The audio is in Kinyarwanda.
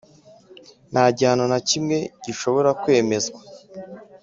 Nta gihano na kimwe gishobora kwemezwa